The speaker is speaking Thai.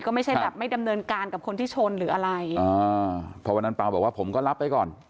ก็ไม่ใช่แบบไม่ดำเนินการกับคนที่ชนหรืออะไรอ่าเพราะวันนั้นเปล่าบอกว่าผมก็รับไปก่อน